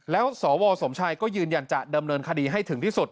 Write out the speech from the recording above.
แล้วสวสมชัยก็ยืนยันจะดำเนินคดีให้ถึงที่สุด